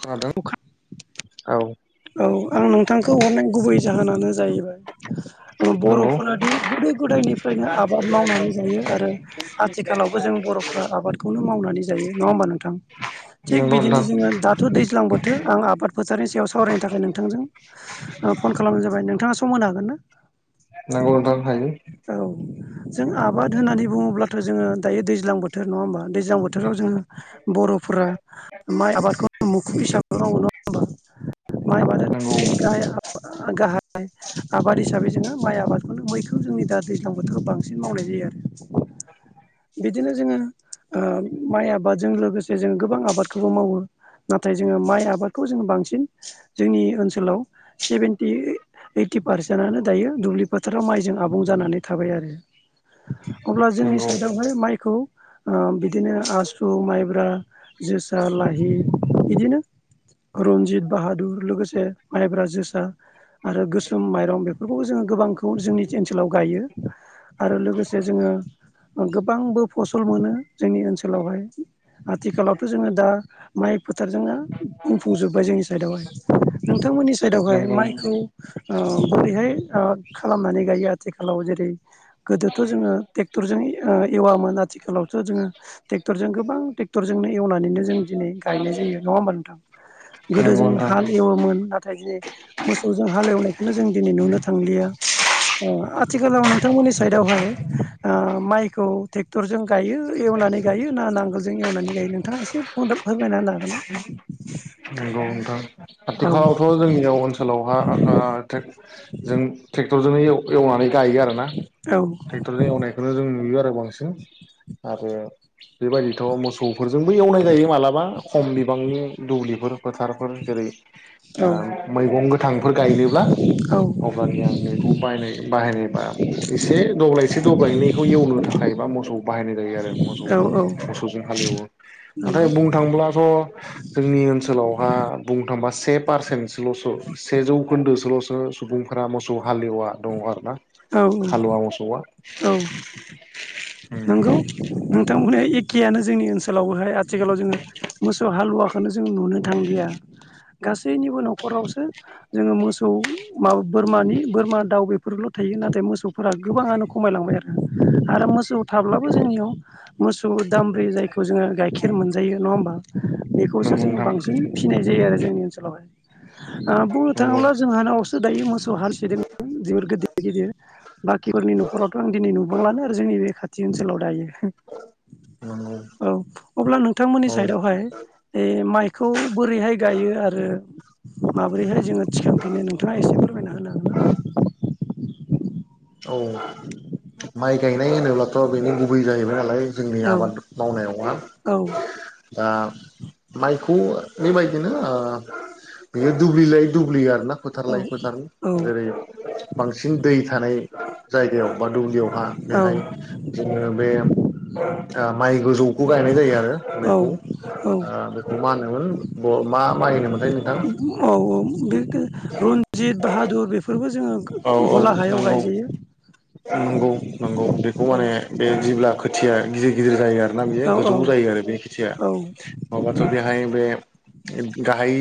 खोनादों दों औ औ आं नोंथांखौ हरनाय गुबै जाहोनानो जाहैबाय नंगौ बर'फोरादि गोदो गोदायनिफ्रायनो आबाद मावनानै जायो आरो आथिखालावबो जों बर' बर'फ्रा आबादखौनो मावनानै नोंथां नंगौ बिनो नोंथां ज द दैां बोथोर आबाद फोथनि स सावरायनो थाखाय नोंथांजों फन खालामानो जाबाय नोंथाङा सम होनो हागोन ना नोंगौ नोंथां हायो औ जों आबाद होननानै बुङोब्लाथ' जोङो दायो दैज्लां बोथोर नङा होमबा दैज्लां बोथोराव जोङो बर'फोरा माइ आबादखौ मुखुब हिसाब मावांगौ नङा होमबा माइ मानो नंगौ जोंनि गाहाय गाहाय आबाद हिसाबै जोङो माइ आबादखौनो मैखौ जोंनि दा दैज्लां बोथोराव बांसिन मावनाय जायो आरो [inaudible] बिदिनो जोङो माइ आबादजों लोगोसे जों गोबां आबादखौबो मावो नाथाय जोङो माइ आबादखौ जोङो बांसिन जोंनि ओनसोलाव सेभेेनटि ओइटि पारसेन्टआनो दायो दुब्लि फोथाराव माइ आबुं जानानै थाबाय आरो अब्ला जोंनि नंगौ साइडआवहाय माइखौ बिदिनो आसु माइब्रा जोसा लाहि बिदिनो रनजित बाहादुर लोगोसे माइब्रा जोसा आरो गोसोम माइरं बेफोरखौबो जोङो गोबांखौ जोंनि ओनसोलाव गायो आरो लोगोसे जोङो गोबांबो फसल मोनो जोंनि ओनसोलावहाय आथिखालावथ' जोङो दा माइ फोथारजोंनो बुंफुंजोब्बाय जोंनि साइदआवहाय नोंथांमोननि साइडआवहाय नंगौ माइखौ बोरैहाय खालामनानै गायो आथिखालाव जेरै गोदोथ' जोङोे टरजों ओ एवामोन आथिखालावथ' जोङो ट्रेक्टरजों गोबां ट्रेक्टरजोंनो एवनानैनो जों दिनै गायनाय जायो नङा होमबा नोंथां गोदो नंगौ जों नोंथां हाल एवोमोन नाथाय दिनै मोसौजों हाल एवनायखौनो जों दिनै नुनो थांलिया ओ आथिखालाव नोंथांमोननि साइदावहाय माइखौ ट्रेक्टरजों गायो एवनानै गायो ना नांगोलजों एवनानै गायो नोंथाङा एसे फन फोरमायना होनो हागोन ना नंगौ नोंथां आथिखालावथ' औ जोंनियाव ओनसोलावहा ओ ट्रे जों टेख टरजोंनो एव एवनानै गायो आरोना ट्रेक्टरजों एवनायखौनो जों नुयो आ रो बांसिन आरो बेबायदिथ' मोसौ फोरजोंबो एवनाय जायो मालाबा खम बिबांनि दुब्लिफोर फोथारफोर जेरै ओ औ मैगं गोथांफोर गायनोब्ला अब्लानिया बेखौ बायनाय बाहायनाय बा एसे दब्लायसे दब्लायनैखौ एवनो थाखाय बा मोसौ बाहायनाय जायो आरो औ मोसौखौ औ मोसौजों हालेवो नाथाय नंगौ बुंनो थांब्लाथ' जोंनि ओनसोलावहा बुं थांबा से पारसेन्टसोल'सो सेजौ खोन्दोसोल'सो सुबुंफोरा मोसौ हालेवा दङ आरो ना औ हालुवा मोसौआ औ औ नंगौ नोंथां बुंनाया इ खेयानो जोंनि ओनसोलावबोहाय आथिखालाव जोङो मोसौ हालुवा खौनो जों नुनो थांलिया गासैनिबो न'खरावसो जोङो मोसौ मा बोरमानि बोरमा दाउ बेफोरल' थायो नाथाय मोसौफोरा गोबाङानो खमायलांबाय आरो ना आरो मोसौ थाब्लाबो जोंनियाव मोसौ उ दामब्रि जायखौ जोङो गाइखेर मोनजायो नङा होमबा बेखौसो नंगौ जोङो नोंथां बांसिन फिनाय जायो आरो जोंनि ओनसोलावहाय ओ बुंनो नंगौ थाङोब्ला जोंहानावसो दायो मोसौ हालिसे दों [unintelligible] गिदिर बाखिफोरनि न'खरावथ' आं दिनै नुबांलानो आरो जोंनि बे खाथि ओनसोलाव दायो नंगौ औ अब्ला नोंथांमोननि औ साइदावहाय बे माइखौ बोरैहाय गायो आरो माबोरैहाय जोङो थिखांफिनो नोंथाङा एसे फोरमायना होनो हागोन ना औ माइ गायनाय होनोब्लाथ' बेनो गुबै जाहैबाय नालाय जोंनि ना? आबाद मावनायावहा औ दा माइ खौ बेबायदिनो ओ बियो दुब्लि लायै दुब्लि आरोना फोथार औ लायै फोथार जेरै बांसिन दै थानाय जायगायाव बा दुब्लियावहा औ बेहाय जोङो बे ओ माइ गोजौ खौ गायनाय जायो आरो औ बेखौ औ बेखौ मा होनोमोन मा माइ होनोमोनथाय नोंथां औ औ बे [unintelligible] रन्जित बाहादुर बेफोरबो जोङो औ औ हला हायाव नंगौ गायजायो नंगौ नंगौ बेखौ औ माने बे जेब्ला खोथि थिया गि‌ गिदिर जायो आरोना बियो औ गोजौ औ जायो आरो बे खेथिया औ नङाबाथ' बेहाय बे गाहाय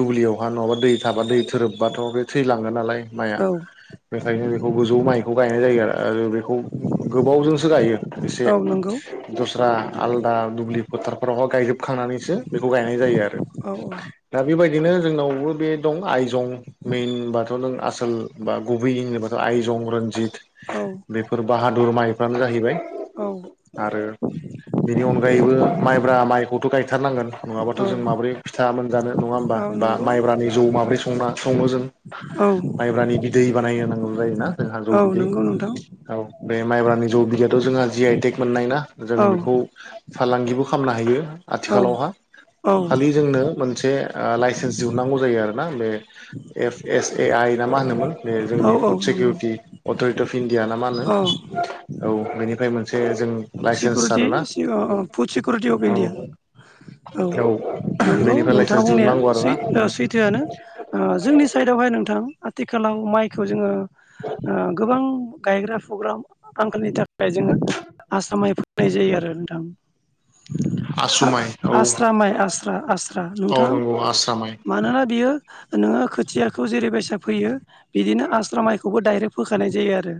दुब्लियावहा नङाबा दै थाबा दै थोरोबबाथ' बे थैलांगोन नालाय माया औ बेखायनो बेखौ गोजौ माइखौ गायनाय जायो आरो आरो बेखौ गोबावजोंसो गायो एसे औ नंगौ दस्रा आलदा दुब्लि फोथारफोरावहा गायजोबखांनानैसो बेखौ गायनाय जायो आरो औ औ दा बेबाय ओरैनो जोंनावबो बे दं आइजं मेनबाथ' नों आसोल बा गुबै इनोबाथ' आयजं रन्जित औ बेफोर बाहादुर माइफ्रानो जाहैबाय औ आरो बिनि अनगायैबो माइब्रा माइखौथ' गायथारनांगोन नङाबाथ' औ जों माब्रै फिथा मोनजानो नङा होमबा औ बा नंगौ माइब्रानि जौ माब्रै संना संनो जों औ दै बानायनो नांगौ जायोना जोंहा जौ औ बिदै नंगौ नोंथां औ बे माइब्रानि जौ बिदैयाथ' जोंहा जि आइ टेक मोननाय ना जों औ बेखौ फालांगिबो खालामनो हायो औ आथिखालावहा औ खालि जोंनो मोनसे ओ लाइसेन्स दिहुनांगौ जायो आरोना बे एफ एस ए आइ ना मा होनोमोन बे औ जोंनि औ फुड नंगौ सिकिउरिटि अथरिटि अफ इण्डिया ना मा होनो औ बेनिफ्राय मोनसे जों लाइसेन्स सकउरिटि आरोना फुड सकउरिटि अफ औ इण्डिया औ नंगौ बेनिफ्राय नोंथाङा लाइसेन्स दिहुननांगौ आरोना बुंनाया सैथोआनो जोंनि साइदआव बेहाय नोंथां आथिखालाव माइखौ जोङो औ गोबां गायग्रा फुग्रा आंखालनि थाखाय जोङो आसामाय फैनाय जायो आरो नोंथां आ आस्रा माइ आस्रा आस्रा औ नोंथां नंगौ आस्रा माइ मानोना बियो नोङो खोथियाखौ जेरै बेसाग फैयो बिदिनो आस्रा माइखौबो दडाइरेक्ट फोखानाय जायो आरो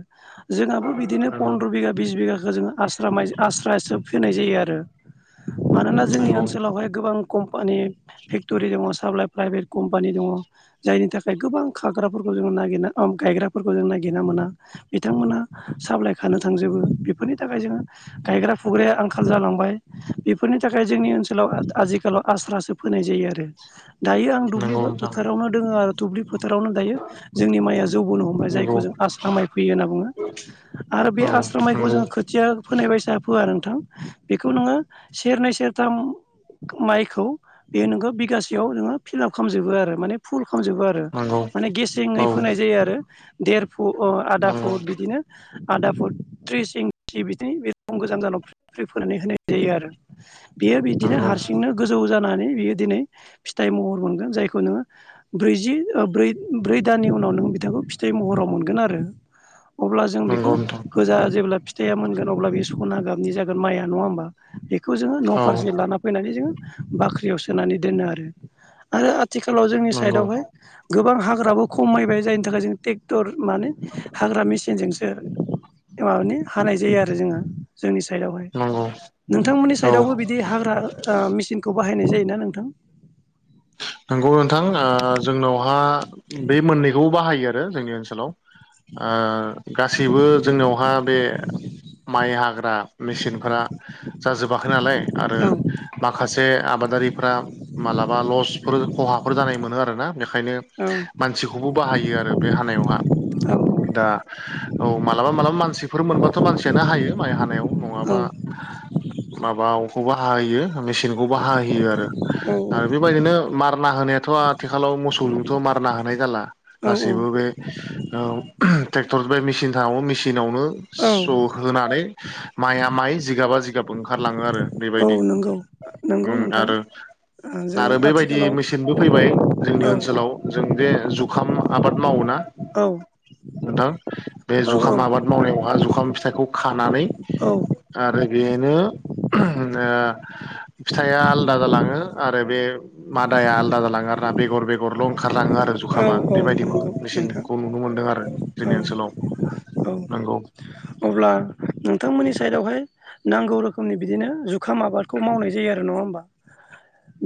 जोंहाबो बिदिनो नंगौ फन्द्र बिगा बिस बिघाखौ जोङो आस्रा आस्रासोब फैनाय जायो आरो मानोना जोंनि नंगौ ओनसोलावहाय गोबां कम्पानि फेक्टरि दङ साप्लाइ प्राइभेट कम्पानि दङ जायनि थाखाय गोबां खाग्राफोरखौ औ गायग्राफोरखौ नागिरना मोना बिथांमोना साफ्लाय खानो बेफोरनि थाखाय जोङो गायग्रा फुग्राया आंखाल जालांबाय बेफोरनि थाखाय जोंनि ओनसोलाव आथिखालाव स्रायै फोनाय जायो आरो दायो आं दुब्लि नंगौ नोंथां फोथाराव फोथारावनो दायो जोंनि माइआ जौ बोनो हमबाय नंगौ जायखौ जों आस्रा माइ फैयो होनना बुङो आरो बे औ आस्रामायखौ नंगौ जों फोनाय बायसा फोआ नोंथां बेखौ नोङो सेरनै सेरथाम माइखौ बे नोंखौ बिगासेयाव नोङो फिलाप खालामजोबो आरो माने फुल खालामजोबो आरो नंगौ माने गेसेङै औ फोनाय जायो आरो देर फु नंगौ आदाफु बिदिनो आ फु थ्रि बिदिनो बे रखम गोजान जानाव फोनानै होनाय जायो आरो बेयो बिदिनो नंगौ हारसिंनो गोजौ जादों बियो दिनै फिथाइ महर मोनगोन जायखौ नोङो ब्रैजि ब्रै दाननि उनाव बिथांखौ फिथाइ महाव मोन आरो अब्ला नंगौ जोंखौ नोंथां बे फिथाइया मोनगोन अब्ला बे सना गाबनि जागोन माइया नङा होनोमबा बेखौ जोङो न औ फारसे लाना फैनानै जोङो बाख्रियाव सोनानै दोनो आरो आरो आथिखालाव जोंनि नंगौ साइडआवहाय गोबां हाग्राबो खमायबाय जायनि थाखाय जों ट्रेक्टर माने हाग्रा मेसिनजोंसो माबानि हानाय जायो आरो जोङो जोंनि साइडआवहाय नंगौ नोंथांमोननि औ साइडआवबो बिदि हाग्रा मेसिनखौ बाहाय बाहायनाय जायोना नोंथां नंगौ नोंथां ओ जोंनावहा बे मोननैखौ बाहायो आरो जोंनि ओनसोलाव औ गासैबो जोंनियावहा बे माइ हाग्रा मेसिनफोरा जाजोबाखै नालाय आरो औ माखासे आबादारिफ्रा मालाबा लस फोर खहाफोर जानाय मोनो आरोना बेखायनो औ मानसिखौबो बाहायो आरो बे हानायावहा औ दा औ मालाबा मालाबा मानसिफोर मोनबाथ मानसियानो हायो माइ हानायाव नङाबा माबाखौबो हाहोयो मेसिनखौबो हाहोयो आरो औ आरो बेबायदिनो मारना होनायाथ आथिखालाव मोसौजोंथ मारना होनाय जाला औ गासैबो औ बे ओ ट्रेक्टर बे मेसिन थाङावनो मेसिन नावनो औ स होनानै माइआ माइ जिगाबा जिगाब ओंखारलाङो आरो औ बेबायदि नंगौ नंगौ नोंथां आरो जों आरो बेबायदि दि आथिखालाव मेसेनबो फैबाय औ जोंनि ओनसोलाव जों जे जुखाम आबाद मावोना नोंथां बे औ जुखाम आबाद मावनायावहा जुखाम फिथाइखौ खा नानै औ आरो बेनो ओ फिथाइया आलादा जालाङो आरो बे मादाया आलादा जालाङो आर ना बेगर बेगरल ओंखार खारलाङो आरो जुखामा नंगौ बेबायदिबो नोंथां मेसिनखौ नुनो मोनदों आरो औ जोंनि ओनसोलाव औ नंगौ अब्ला नोंथांमोननि साइडआवहाय नांगौ रोखोमनि बिदिनो जुखाम आबादखौ मावनाय जायो आरो नङा होमबा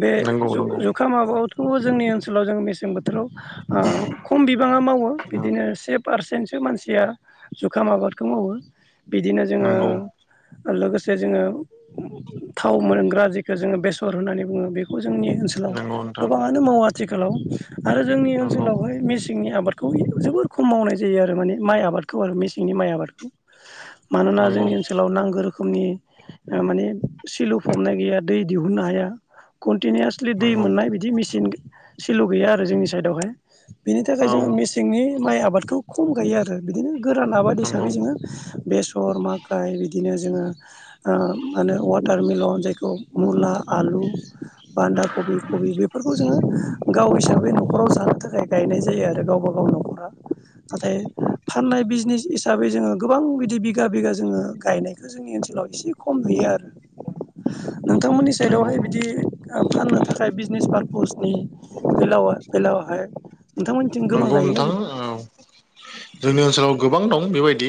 बे नंगौ नंगौ जुखा माबायावथ'बो जोंनि ओनसोलाव जों मेसें बोथोर खम बिबाङा मावो बिदिनो सेफ पारसेन्टसो मानसिया जुखाम आबादखौ मावो बिदिनो जोङो नंगौ लोगोसे जोङो थाव मोनग्रा जेखौ जोङो बेसर होननानै बुङो बेखौ जोंनि ओनाव नंगौ नोंथां गोबाङनो मावो आथिखालाव आरो जोंनि नंगौ ओनसोलावहाय मेसेंनि आबादखौ जोबोर खम मावनाय जायो आरो मान माइ आबादखौ आरो मेसेंनि माइ आबादखौ मानोना नंगौ जोंनि ओनसोलाव नांगोर रोखोमनि सिल फबनाय गैया दै दिहुननो हाया कन्टिनिउवासलि दै नंगौ मोननाय बिदि मेसििन सिल' गैया आरो जोंनि साइडआवहाय बिनि थाखाय औ जोङो मेसेंनि माइ आबादखौ खम गायो आरो बिदिनो गोरान आबाद नंगौ हिसाबै जोङो बेसर माखाइ बिदि बिनो जों मानो वाटार मिलन जायखौ मुला आलु बान्दा कबि खबि बेफोरखौ जोङो गाव हिसाबै बे न'खराव जानो थाखाय गायनाय जायो आरो गावबा गाव न'खरा नाथाय फाननाय बिजनेस हिसाबै जोङो गोबां बिदि बिगा बिगा जोङो गायनायखौ जोंनि ओनसोलाव एसे खम नुयो आरो नोंथांमोननि नंगौ साइदावहाय बिदि फाननो थाखाय बिजनेस पारपसनि पसनि बेलाव बेलावहाय नोंथांमोननिथिं गोबां नंगौ गायोना नोंथां बिदिनो औ जोंनि ओनसोलाव गोबां दं बेबायदि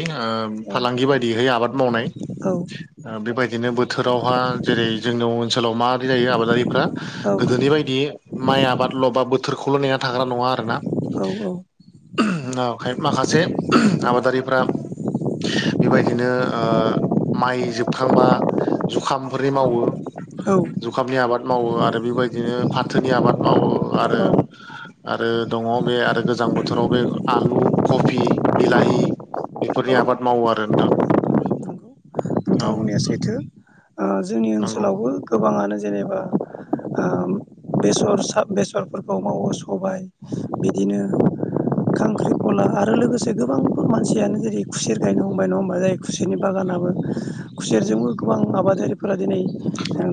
औ फालांगि बायदियैहाय आबाद मावनाय औ बेबायदिनो बोथोरावहा जेरै जोंनियाव ओनसोलाव माबदि जायो आबादारिफ्रा औ गोदोनि बायदि माइ आबादल' बा बोथोरखौल' नेना थाग्रा नङा ना माखासे आबादारिफ्रा बेबायदिनो माइ जोबखांबा जुखामफोरनि मावो औ जुखाबनि आबाद मावो आरो बेबायदिनो फाथु बोथोरनि आबाद मावो आरो औ आरो दङ बे आरो गोजां बोथोराव बे आलु कबि बिलाहि बेफोरनि औ आबाद मावो आरो नोंथां नंगौ औ बिथांनिया सैथो जोंनि नंगौ ओनसोलावबो गोबाङानो जेनेबा बेसर बेसरफोरखौ मावो सबाय बिदिनो खांख्रि खला आरो लोगोसे गोबांबो मानसियानो जेरै खुसेर गायनो हमबाय नङा होमबा जाय खुसेरनि बागान खालामो खुसेरजोंबो गोबां आबादारिफोर फोर दिनै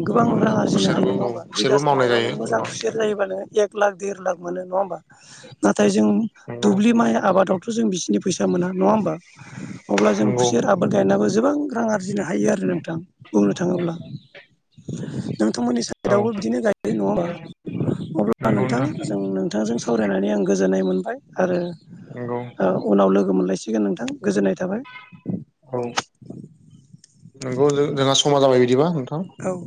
गोबां नंगौ रां नोंथां आरजिनो हायो खुसेरबो नङा औ होमबा खुसेरबो बिगाससिनो मावनाय हायाव जायो नों मोजां गोबां खुसेर जायोबा नो एक एक लाख देर लाख मोनो नङा होमबा नाथाय जों नंगौ दुब्लि माइ आबादावथ' जों बिखिनि फैसा मोना नङा होमबा अब्ला जों नंगौ खुसेर आबाद गायनाबो जों गोबां रां आरजि बुजिनो हायो आरो नोंथां बुंनो थाङोब्ला नोंथांमोननि औ साइदआवबो बिदिनो गायनाय नङाबा अब्ला नोंथां जों नोंथांजों सावरायनानै आं गोजोननाय मोनबाय आरो उनाव लोगो मोनलायसिगोन नोंथां गोजोननाय थाबाय औ नंगौ जोंहा समा जाबाय बिदिबा नोंथां औ